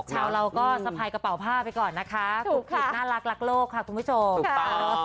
เช้าเราก็สะพายกระเป๋าผ้าไปก่อนนะคะคุณผู้ชมค่ะน่ารักลักลวกค่ะคุณผู้ชม